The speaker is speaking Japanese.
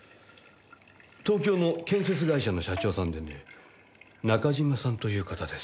東京の建設会社の社長さんでね中島さんという方です。